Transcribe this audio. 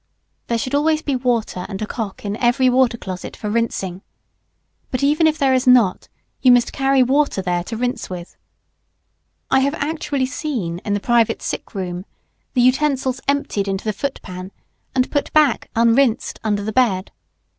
There should always be water and a cock in every water closet for rinsing. But even if there is not, you must carry water there to rinse with. I have actually seen, in the private sick room, the utensils emptied into the foot pan, and put back unrinsed under the bed.